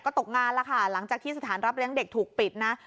ก็ตกงานแล้วค่ะหลังจากที่สถานรับเลี้ยงเด็กถูกปิดนะ